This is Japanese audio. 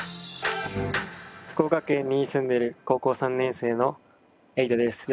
福岡県に住んでいる高校３年生のエイトです。